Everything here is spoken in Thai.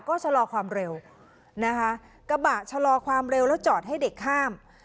ก็ชะลอความเร็วนะคะกระบะชะลอความเร็วแล้วจอดให้เด็กข้าม